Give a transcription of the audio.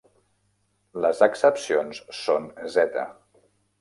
Les excepcions són z.